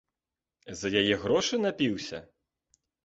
За яе грошы напіўся?